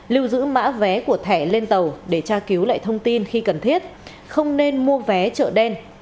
lưu giữ mã vé của thẻ lên tàu để tra cứu lại thông tin khi cần thiết không nên mua vé chợ đen